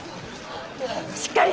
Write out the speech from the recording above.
しっかり！